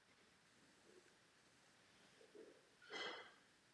Měli pět dětí.